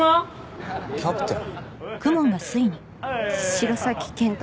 城崎健人